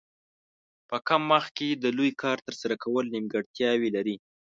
په کم وخت کې د لوی کار ترسره کول نیمګړتیاوې لري.